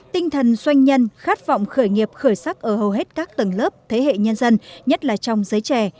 tinh thần xoanh nhân khát vọng khởi nghiệp khởi sắc ở hầu hết các tầng lớp thế hệ nhân dân nhất là trong giới trẻ